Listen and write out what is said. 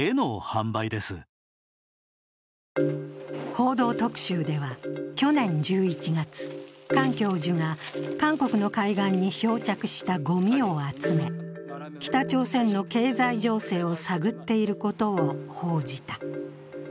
「報道特集」では去年１１月、カン教授が韓国の海岸に漂着したごみを集め、北朝鮮の経済情勢を探っていることを報じた。